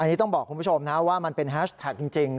อันนี้ต้องบอกคุณผู้ชมนะว่ามันเป็นแฮชแท็กจริง